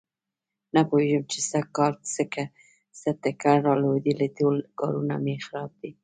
نه پوهېږم چې سږ کل څه ټکه را لوېدلې ټول کارونه مې خراب دي.